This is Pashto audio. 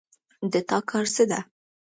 د تا کار څه ده